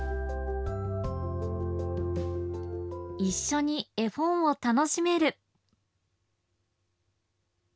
一緒に絵本を楽しめる。